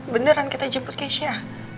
beneran kita jemput keisha